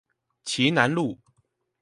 旗楠路